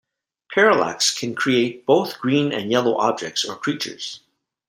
Parallax can create both green and yellow objects or creatures.